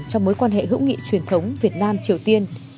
cho mối quan hệ hữu nghị truyền thống việt nam triều tiên